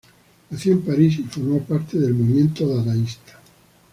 Nació en París y formó parte del movimiento dadaísta.